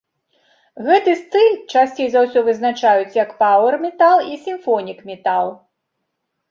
Гэты стыль часцей за ўсё вызначаюць як паўэр-метал і сімфонік-метал.